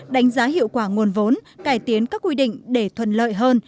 đánh giá hiệu quả nguồn vốn cải tiến các quy định để thuận lợi hơn